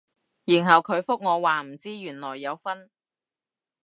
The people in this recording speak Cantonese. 然後佢覆我話唔知原來有分